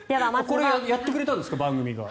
これやってくれたんですか番組が。